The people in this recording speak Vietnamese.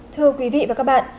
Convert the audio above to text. thưa quý vị và các bạn